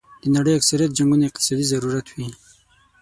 د نړۍ اکثریت جنګونه اقتصادي ضرورت وي.